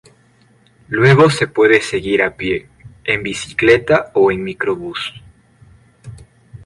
Luego se puede seguir a pie, en bicicleta o en microbús.